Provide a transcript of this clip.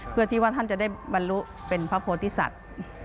เพื่อที่ว่าท่านจะได้บรรลุเป็นพระโพธิสัตว์